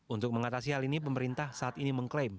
untuk mengatasi hal ini pemerintah saat ini mengklaim